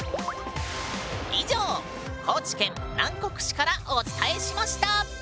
以上高知県南国市からお伝えしました！